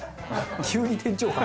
急に店長感。